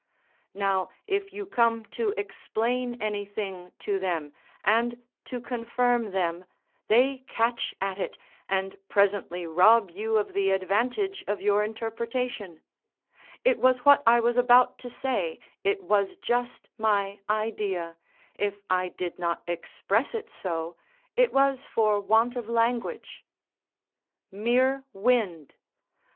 Now, if you come to explain anything to them, and to confirm them, they catch at it, and presently rob you of the advantage of your interpretation; "It was what I was about to say; it was just my idea; if I did not express it so, it was for want of language." Mere wind!